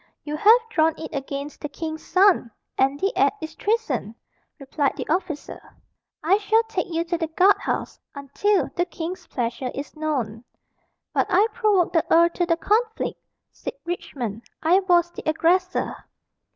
"You have drawn it against the king's son and the act is treason," replied the officer. "I shall take you to the guard house until the king's pleasure is known." "But I provoked the earl to the conflict," said Richmond: "I was the aggressor."